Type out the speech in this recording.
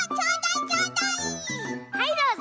はいどうぞ。